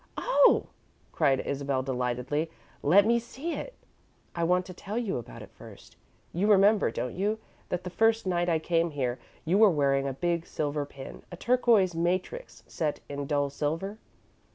"Oh," cried Isabel, delightedly. "Let me see it!" "I want to tell you about it first. You remember, don't you, that the first night I came here, you were wearing a big silver pin a turquoise matrix, set in dull silver?"